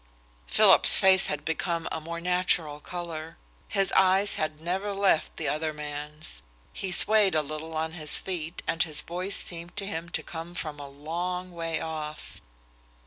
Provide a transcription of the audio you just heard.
Philip's face had become a more natural colour. His eyes had never left the other man's. He swayed a little on his feet and his voice seemed to him to come from a long way off.